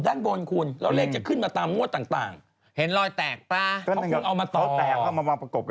แตกอยู่เขาเป็นคนเอามาประกอบ